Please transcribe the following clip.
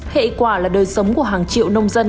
hệ quả là đời sống của hàng triệu nông dân